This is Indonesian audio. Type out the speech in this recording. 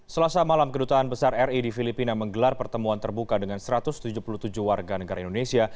selasa malam kedutaan besar ri di filipina menggelar pertemuan terbuka dengan satu ratus tujuh puluh tujuh warga negara indonesia